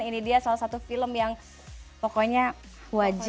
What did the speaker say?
ini dia salah satu film yang pokoknya wajib